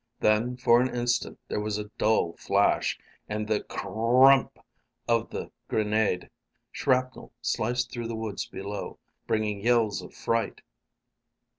Then for an instant there was a dull flash and the cruuuump of the grenade. Shrapnel sliced through the woods below, bringing yells of fright.